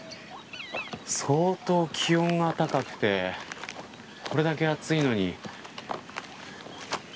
相当気温が高くてこれだけ暑いのに。